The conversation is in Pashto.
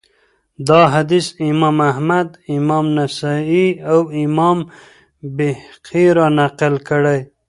دا حديث امام احمد امام نسائي، او امام بيهقي را نقل کړی